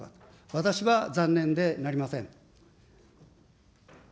私は残念でなりません。